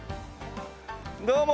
どうも！